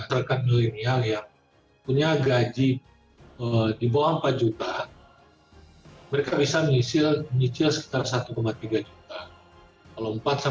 terkadang milenial yang punya gaji di bawah empat juta mereka bisa menyicil sekitar satu tiga juta